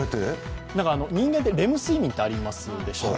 人間ってレム睡眠ってあるでしょう。